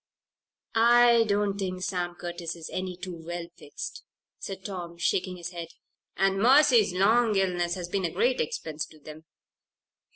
"I don't think Sam Curtis is any too well fixed," said Tom, shaking his head. "And Mercy's long illness has been a great expense to them.